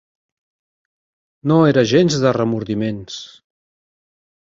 No era gens de remordiments.